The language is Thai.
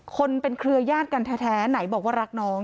คนเป็นเครือญาติกันแท้ไหนบอกว่ารักน้อง